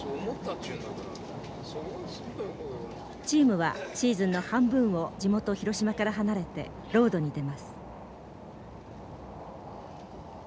チームはシーズンの半分を地元広島から離れてロードに出ます。